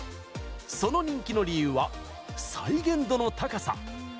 その人気の理由は、再現度の高さ。